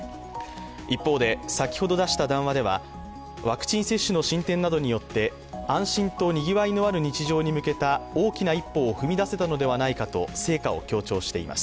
一方で、先ほど出した談話では、ワクチン接種の進展などによって安心とにぎわいのある日常に向けた大きな一歩を踏み出せたのではないかと成果を強調しています。